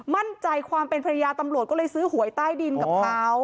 มั่นใจความเป็นภรรยาตำรวจก็เลยซื้อหวยใต้ดินกับเขา